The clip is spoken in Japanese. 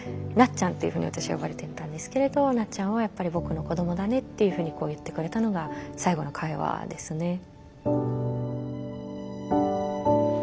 「なっちゃん」っていうふうに私は呼ばれてたんですけれど「なっちゃんはやっぱり僕の子どもだね」っていうふうに言ってくれたのが最後の会話ですね。